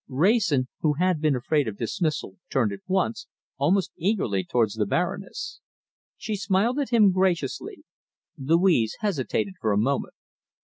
Wrayson, who had been afraid of dismissal, turned at once, almost eagerly, towards the Baroness. She smiled at him graciously. Louise hesitated for a moment.